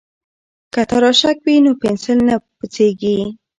که تراشک وي نو پنسل نه پڅیږي.